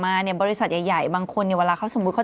อ้าวบริษัททัวร์ใครทำมึง